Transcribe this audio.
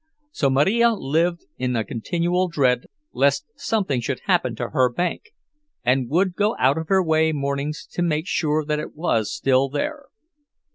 So Marija lived in a continual dread lest something should happen to her bank, and would go out of her way mornings to make sure that it was still there.